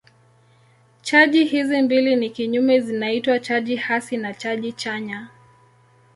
Chaji hizi mbili ni kinyume zinaitwa chaji hasi na chaji chanya.